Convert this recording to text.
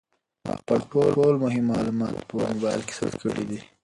ما خپل ټول مهم معلومات په موبایل کې ثبت کړي دي.